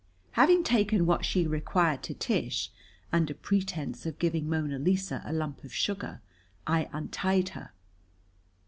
Having taken what she required to Tish, under pretense of giving Mona Lisa a lump of sugar, I untied her.